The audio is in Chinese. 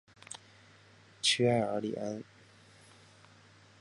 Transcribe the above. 屈埃尔里安。